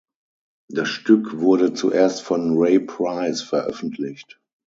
Das Stück wurde zuerst von Ray Price veröffentlicht.